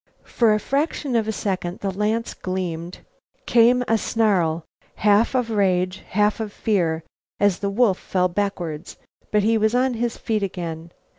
For a fraction of a second the lance gleamed. Came a snarl, half of rage, half of fear, as the wolf fell backward. But he was on his feet again.